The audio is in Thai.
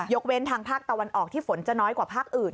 เว้นทางภาคตะวันออกที่ฝนจะน้อยกว่าภาคอื่น